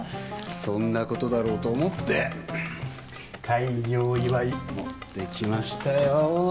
そんなことだろうと思って開業祝い持ってきましたよ。